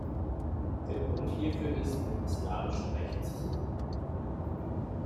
Der Grund hierfür ist im islamischen Recht zu suchen.